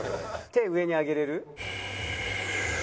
手上に上げれる？